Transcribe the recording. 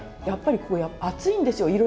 やっぱりここ厚いんですよ。